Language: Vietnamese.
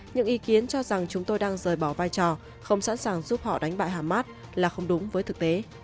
những ý kiến cho rằng chúng tôi đang rời bỏ vai trò không sẵn sàng giúp họ đánh bại hamas là không đúng với thực tế